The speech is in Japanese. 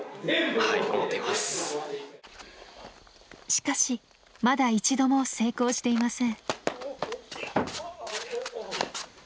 しかしまだ一度も成功していません。